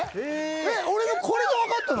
俺のコレで分かったの？